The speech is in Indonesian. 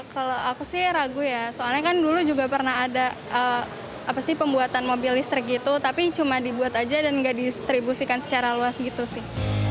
kalau aku sih ragu ya soalnya kan dulu juga pernah ada pembuatan mobil listrik gitu tapi cuma dibuat aja dan nggak distribusikan secara luas gitu sih